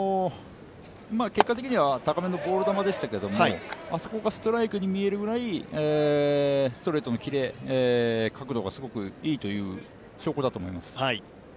結果的には高めのボール球でしたけどあそこがストライクに見えるぐらいストレートのキレ、角度がすごくいいという証拠だと思います。